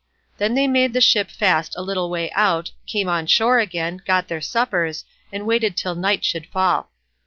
Then they made the ship fast a little way out, came on shore again, got their suppers, and waited till night should fall.